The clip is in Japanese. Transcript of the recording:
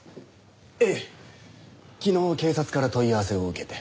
ええ昨日警察から問い合わせを受けて。